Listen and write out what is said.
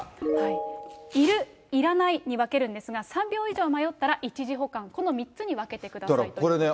いる、いらないに分けるんですが、３秒以上迷ったら一時保管、この３つに分けてくださいということです。